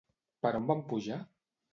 Per on van pujar?